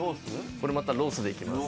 これまたロースでいきます